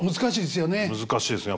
難しいですよね。